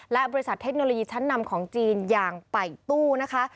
และบริษัทเทคโนโลยีชั้นนำของจีนอย่างป่ายตู้นะคะ